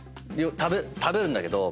食べるんだけど。